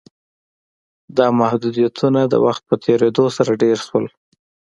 دا محدودیتونه د وخت په تېرېدو ډېر شول.